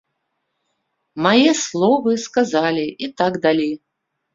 Мае словы сказілі і так далі.